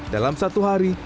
dalam satu hari